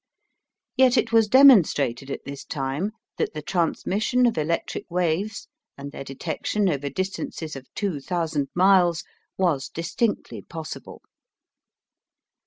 Yet it was demonstrated at this time that the transmission of electric waves and their detection over distances of 2000 miles was distinctly possible.